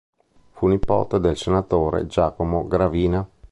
Fu nipote del senatore Giacomo Gravina.